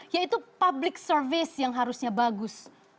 yaitu public service yang harusnya bagus